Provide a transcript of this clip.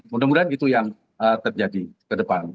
mudah mudahan itu yang terjadi ke depan